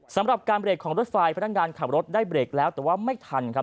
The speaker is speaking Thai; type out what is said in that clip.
สำหรับการเบรกของรถไฟพนักงานขับรถได้เบรกแล้วแต่ว่าไม่ทันครับ